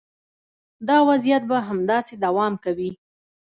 دا وضعیت به همداسې دوام کوي.